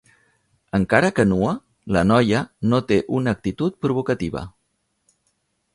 Encara que nua, la noia no té una actitud provocativa.